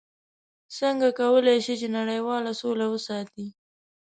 څنګه کولی شي چې نړیواله سوله وساتي؟